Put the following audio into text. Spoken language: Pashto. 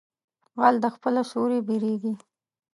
غل د خپله سوري بيرېږي.